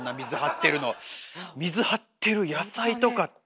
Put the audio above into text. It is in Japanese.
水張ってる野菜とかって。